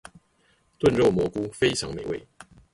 燉肉蘑菇非常美味